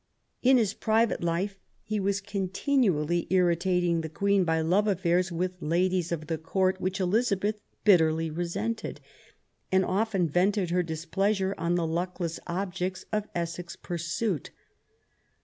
In his private life he was continually irritating the Queen by love affairs with ladies of the Court, which Elizabeth bitterly resented, and often vented her dis pleasure on the luckless objects of Essex's pursuit.